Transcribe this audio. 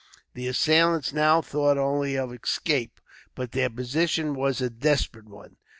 The assailants now thought only of escape, but their position was a desperate one.